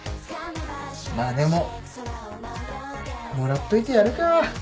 まあでももらっといてやるか。